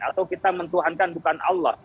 atau kita mentuhankan bukan allah